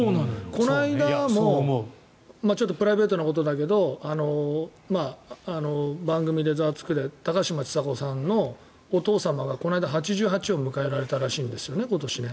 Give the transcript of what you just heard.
この間も、ちょっとプライベートなことだけど番組で「ザワつく！」で高嶋ちさ子さんのお父様がこの間、８８歳を迎えられたらしいんです、今年。